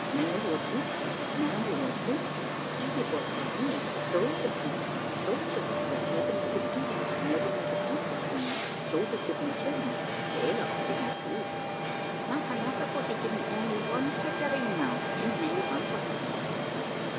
"Man of war, buccra, Man of war, buccra. He de boy for me; Sodger, buccra, Sodger, buccra, Nebba, nebba do. Nebba, nebba do for me; Sodger give one shilling, Sailor give me two. "Massa, now suppose you give me only one pictareen now. You really handsome young gentleman."